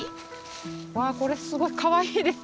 わあこれすごいかわいいですね。